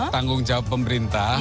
tanggung jawab pemerintah